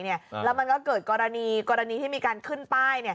แล้วมันก็เกิดกรณีที่มีการขึ้นป้าย